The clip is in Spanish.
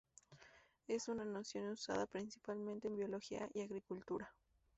Es una noción usada principalmente en biología y agricultura.